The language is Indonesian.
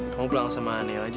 kamu pulang sama neo aja